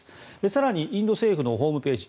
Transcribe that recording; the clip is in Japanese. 更に、インド政府のホームページ